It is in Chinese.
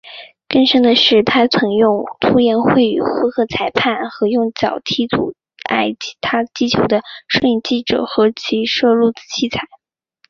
更甚的是他曾用粗言秽语呼喝裁判和用脚踢阻碍他击球的摄影记者和其摄录器材。